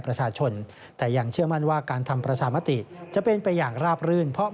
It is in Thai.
ประชาชนแต่ยังเชื่อมั่นว่าการทำประชามติจะเป็นไปอย่างราบรื่นเพราะ